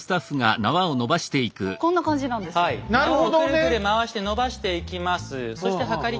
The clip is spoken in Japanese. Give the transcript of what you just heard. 縄をくるくる回してのばしていきます。